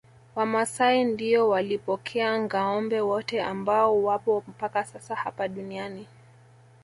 Wamasai ndio walipokea ngâombe wote ambao wapo mpaka sasa hapa duniani